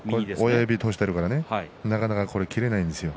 親指を通しているからなかなか切れないんですよ。